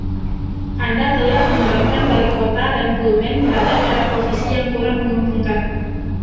Anda telah menyebabkan Wali Kota dan Pullman berada pada posisi yang kurang menguntungkan.